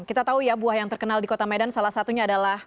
kita tahu ya buah yang terkenal di kota medan salah satunya adalah